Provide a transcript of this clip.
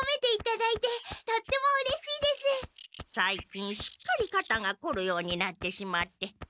さいきんすっかりかたがこるようになってしまって。